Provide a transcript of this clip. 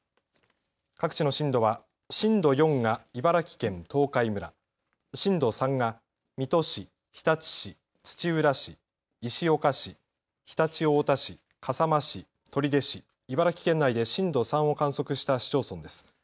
各地の震度は震度４が茨城県東海村、震度３が水戸市、日立市、土浦市、石岡市、常陸太田市、笠間市、取手市、茨城県内で震度３を観測した市町村です。